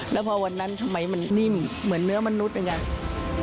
แล้วพอวันนั้นทำไมมันนิ่มเหมือนเนื้อมนุษย์เป็นไง